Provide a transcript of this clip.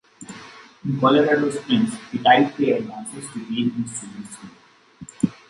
In Colorado Springs he tied pay advances to gains in student scores.